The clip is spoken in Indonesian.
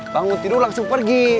bangun tidur langsung pergi